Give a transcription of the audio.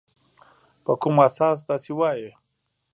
په کوم اساس داسي وایې ؟